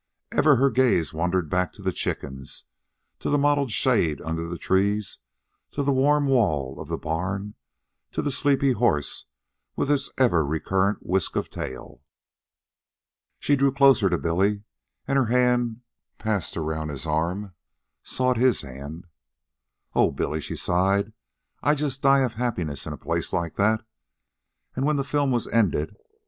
Ever her gaze wandered back to the chickens, to the mottled shade under the trees, to the warm wall of the barn, to the sleepy horse with its ever recurrent whisk of tail. She drew closer to Billy, and her hand, passed around his arm, sought his hand. "Oh, Billy," she sighed. "I'd just die of happiness in a place like that." And, when the film was ended.